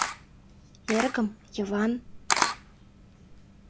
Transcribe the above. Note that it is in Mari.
Эргым, Йыван...